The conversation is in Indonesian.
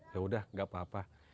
yaudah gak apa apa